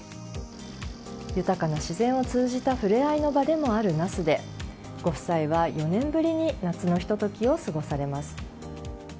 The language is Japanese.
豊かな自然を通じた触れ合いの場でもある那須でご夫妻は４年ぶりに夏のひと時を過ごされます。